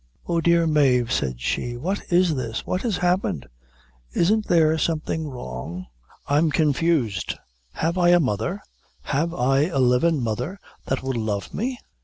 "Oh, dear Mave," said she, "what is this? What has happened? Isn't there something wrong? I'm confused. Have I a mother? Have I a livin' mother, that will love me?"